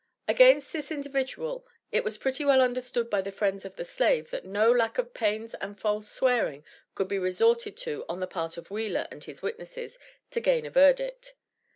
Against this individual, it was pretty well understood by the friends of the slave, that no lack of pains and false swearing would be resorted to on the part of Wheeler and his witnesses, to gain a verdict.